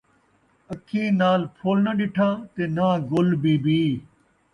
اکھیں نال پھل ناں ݙٹھا تے ناں گل بی بی